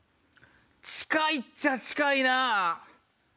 近いっちゃ近いな！